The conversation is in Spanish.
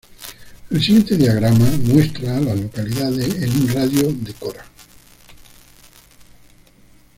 El siguiente diagrama muestra a las localidades en un radio de de Cora.